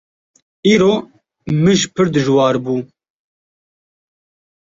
Îro mij pir dijwar bû.